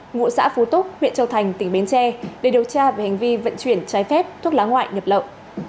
ngụ xã phú túc huyện châu thành tỉnh bến tre để điều tra về hành vi vận chuyển trái phép thuốc lá ngoại nhập lậu